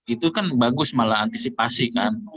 itu kan bagus malah antisipasi kan